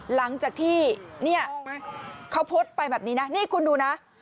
หลังจากที่เนี่ยเขาโพสต์ไปแบบนี้นะนี่คุณดูนะ